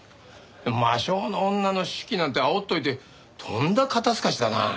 「魔性の女の手記」なんてあおっといてとんだ肩透かしだな。